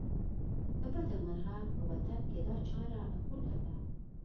له بده مرغه په وطن کې دا چاره اپوټه ده.